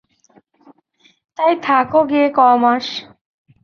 তাই থাকো গিয়ে ক মাস।